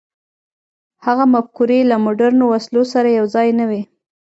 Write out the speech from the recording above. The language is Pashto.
هغه مفکورې له مډرنو وسلو سره یو ځای نه وې.